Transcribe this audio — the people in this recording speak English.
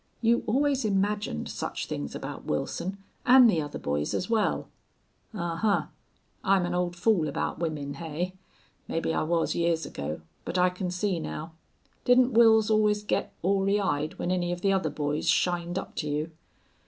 "You always imagined such things about Wilson, and the other boys as well." "Ahuh! I'm an old fool about wimmen, hey? Mebbe I was years ago. But I can see now.... Didn't Wils always get ory eyed when any of the other boys shined up to you?"